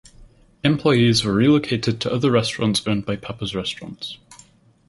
Employees were relocated to other restaurants owned by Pappas Restaurants.